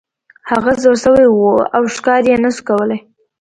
هغه زوړ شوی و او ښکار یې نشو کولی.